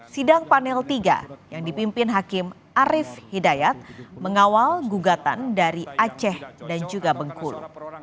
sidang panel tiga yang dipimpin hakim arief hidayat mengawal gugatan dari aceh dan juga bengkulu